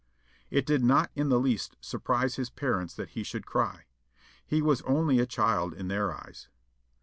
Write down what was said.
It did not in the least surprise his parents that he should cry he was only a child in their eyes.